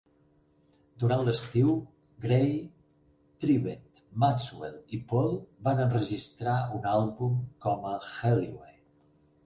Durant l'estiu, Gray, Tribbett, Maxwell i Paul van enregistrar un àlbum com a Hellyeah.